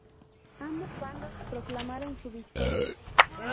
Ambos bandos proclamaron su victoria.